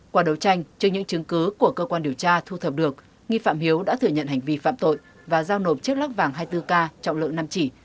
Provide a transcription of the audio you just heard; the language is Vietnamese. qua đấu tranh trước những chứng cứ của cơ quan điều tra thu thập được nghi phạm hiếu đã thừa nhận hành vi phạm tội và giao nộp chiếc lắc vàng hai mươi bốn k trọng lượng năm chỉ